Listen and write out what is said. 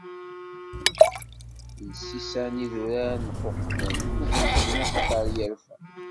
Lsisan n yidurar nquqlen, nhezzen, axaṭer irfa.